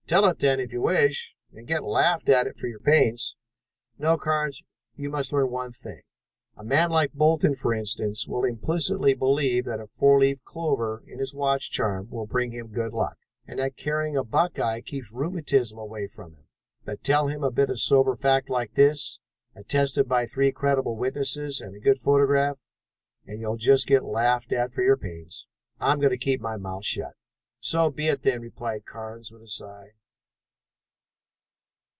"Tell it then, if you wish, and get laughed at for your pains. No, Carnes, you must learn one thing. A man like Bolton, for instance, will implicitly believe that a four leaf clover in his watch charm will bring him good luck, and that carrying a buckeye keeps rheumatism away from him; but tell him a bit of sober fact like this, attested by three reliable witnesses and a good photograph, and you'll just get laughed at for your pains. I'm going to keep my mouth shut." "So be it, then!" replied Carnes with a sigh.